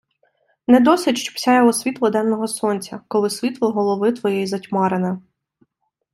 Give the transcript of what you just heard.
Не досить, щоб сяяло світло денного сонця, коли світло голови твоєї затьмарене.